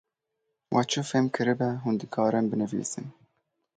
We çi fêm kiribe hûn dikarin binivîsin.